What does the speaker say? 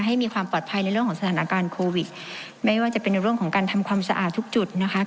ให้มีความปลอดภัยในเรื่องของสถานการณ์โควิดไม่ว่าจะเป็นในเรื่องของการทำความสะอาดทุกจุดนะคะ